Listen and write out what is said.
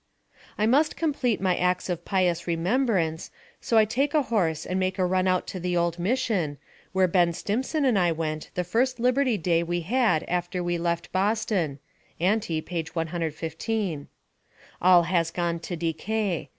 I must complete my acts of pious remembrance, so I take a horse and make a run out to the old Mission, where Ben Stimson and I went the first liberty day we had after we left Boston (ante, p. 115). All has gone to decay.